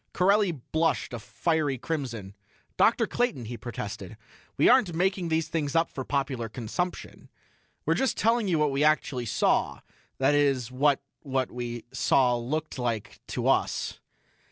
Corelli blushed a fiery crimson. "Dr. Clayton," he protested, "we aren't making these things up for popular consumption. We're just telling you what we actually saw that is what what we saw looked like to us."